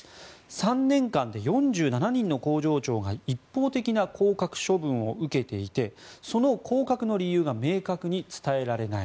３年間で４７人の工場長が一方的な降格処分を受けていてその降格の理由が明確に伝えられない。